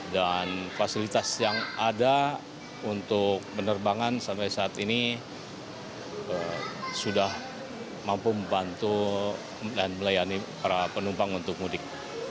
fasilitas yang ada untuk penerbangan sampai saat ini sudah mampu membantu dan melayani para penumpang untuk mudik